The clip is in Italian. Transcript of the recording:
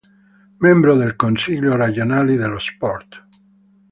Membro del Consiglio Regionale dello Sport.